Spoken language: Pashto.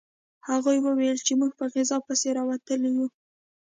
هغوی وویل چې موږ په غذا پسې راوتلي یو